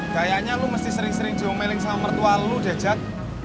kayaknya lu mesti sering sering jomeling sama mertua lu deh jak